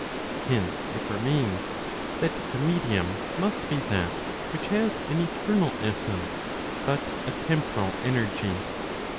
Hence it remains that the medium must be that which has an eternal essence, but a temporal energy.